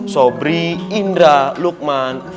sobri indra lukman